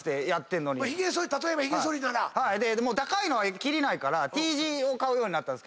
高いのは切りないからＴ字を買うようになったんすけど。